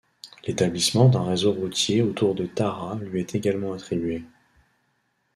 L'établissement d’un réseau routier autour de Tara lui est également attribué.